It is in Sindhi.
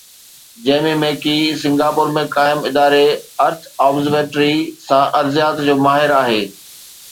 جيمي ميڪي سنگاپور ۾ قائم اداري ارٿ آبزرويٽري سان ارضيات جو ماهر آهي.